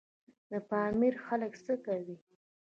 د پامیر خلک څه کوي؟